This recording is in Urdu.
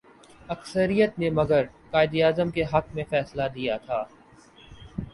اکثریت نے مگر قائد اعظم کے حق میں فیصلہ دیا تھا۔